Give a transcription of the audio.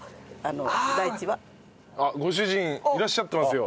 ご主人いらっしゃってますよ。